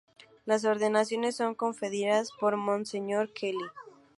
Las ordenaciones son conferidas por Monseñor Kelly.